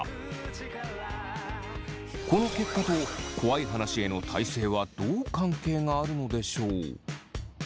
この結果と怖い話への耐性はどう関係があるのでしょう？